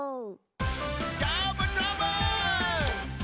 どーもどーも！